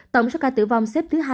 tổng số ca tử vong xếp thứ hai mươi bốn